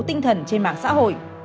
tinh thần trên mạng xã hội